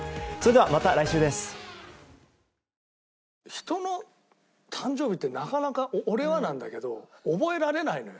人の誕生日ってなかなか俺はなんだけど覚えられないのよ。